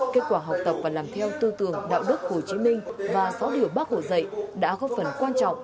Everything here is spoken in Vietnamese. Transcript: kết quả học tập và làm theo tư tưởng đạo đức hồ chí minh và sáu điều bác hồ dạy đã góp phần quan trọng